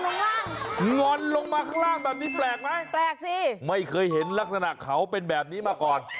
งอนลงมาข้างล่างแบบนี้แปลกไหมแปลกสิไม่เคยเห็นลักษณะเขาเป็นแบบนี้มาก่อน